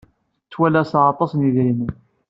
Ttwalaseɣ aṭas n yidrimen.